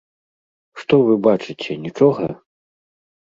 Што вы бачыце, нічога?